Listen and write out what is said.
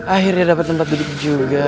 akhirnya dapat tempat duduk juga